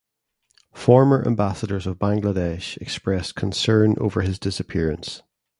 Former Ambassadors of Bangladesh expressed concern over his disappearance.